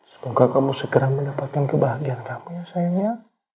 semoga kamu segera mendapatkan kebahagiaan sayangnya